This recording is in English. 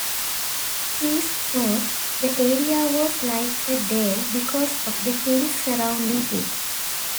Pierce thought the area was like a dale because of the hills surrounding it.